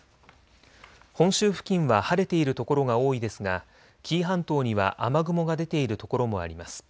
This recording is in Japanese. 本州付近は晴れている所が多いですが紀伊半島には雨雲が出ている所もあります。